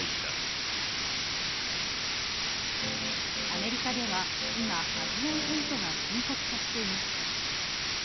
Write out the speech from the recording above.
アメリカでは今、アジアンヘイトが深刻化しています。